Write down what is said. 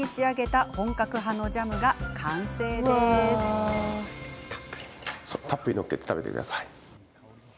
たっぷり載っけて食べてください。